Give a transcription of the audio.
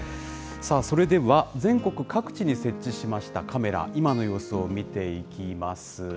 さあ、それでは全国各地に設置しましたカメラ、今の様子を見ていきます。